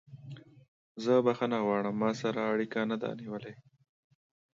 زه بخښنه غواړم ما سره اړیکه نه ده نیولې.